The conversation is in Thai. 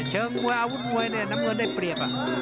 เชิงมวยอาวุธมวยน้ำเงินได้เปลี่ยบ